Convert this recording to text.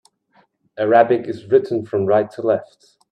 Arabic is written from right to left.